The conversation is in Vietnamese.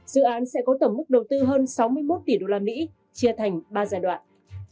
dự án sẽ có tổng mức đầu tư hơn sáu mươi một tỷ usd chia thành ba giai đoạn